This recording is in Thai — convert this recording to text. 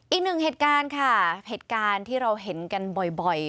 อีกหนึ่งเหตุการณ์ค่ะเหตุการณ์ที่เราเห็นกันบ่อย